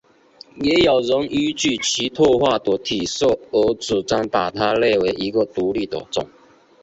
也有人依据其特化的体色而主张把它列为一个独立的种。